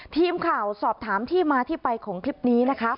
ทีมข่าวสอบถามที่มาที่ไปของคลิปนี้นะคะ